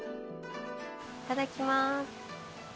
いただきます。